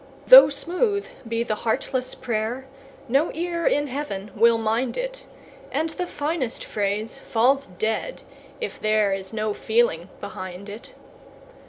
Though smooth be the heartless prayer, no ear in Heaven will mind it, And the finest phrase falls dead if there is no feeling behind it.